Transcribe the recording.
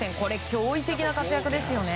驚異的な活躍ですよね。